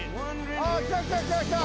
ああ来た来た来た！